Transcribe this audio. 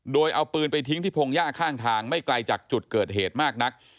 โดยเอาปืนไปทิ้งที่พงหญ้าข้างทางไม่ไกลจากจุดเกิดเหตุมากนัก